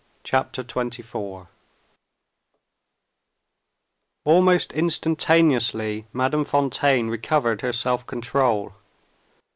CHAPTER XXIV Almost instantaneously Madame Fontaine recovered her self control.